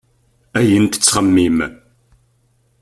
Ayen tettxemmim.